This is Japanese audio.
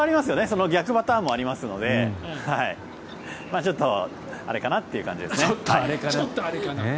その逆パターンもありますのでちょっとあれかなという感じですね。